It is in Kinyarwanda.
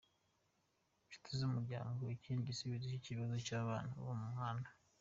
Inshuti z’Umuryango”, ikindi gisubizo cy’ikibazo cy’abana bo mu muhanda.